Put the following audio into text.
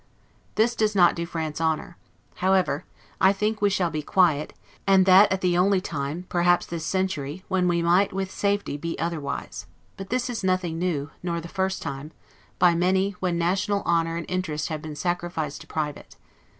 This does not do France honor: however, I think we shall be quiet, and that at the only time, perhaps this century, when we might, with safety, be otherwise: but this is nothing new, nor the first time, by many, when national honor and interest have been sacrificed to private.